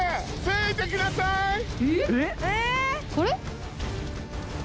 これ？